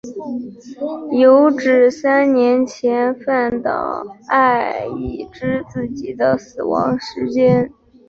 有指三年前饭岛爱已知自己的死亡时间。